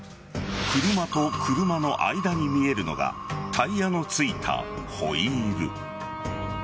車と車の間に見えるのがタイヤの付いたホイール。